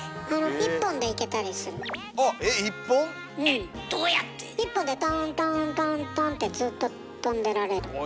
１本でトントントントンってずっと跳んでられる。